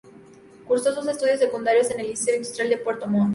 Cursó sus estudios secundarios en el Liceo Industrial de Puerto Montt.